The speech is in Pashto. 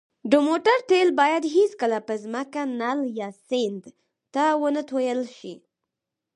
د موټر تېل باید هېڅکله په ځمکه، نل، یا سیند ته ونهتوېل ش